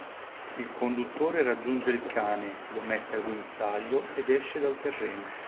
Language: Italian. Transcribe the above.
Il conduttore raggiunge il cane, lo mette al guinzaglio ed esce dal terreno.